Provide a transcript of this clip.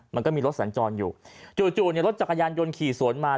มันก็มีรถสัญจรอยู่จู่เนี่ยรถจักรยานยนต์ขี่สวนมา